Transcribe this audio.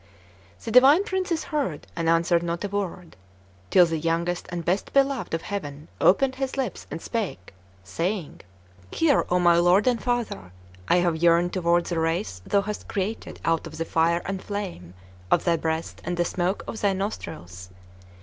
The divine princes heard, and answered not a word; till the youngest and best beloved of Heaven opened his lips and spake, saying: "Hear, O my Lord and Father! I have yearned toward the race thou hast created out of the fire and flame of thy breast and the smoke of thy nostrils.